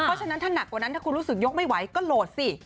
เพราะฉะนั้นถ้าหนักกว่านั้นถ้าคุณรู้สึกยกไม่ไหวก็โหลดสิ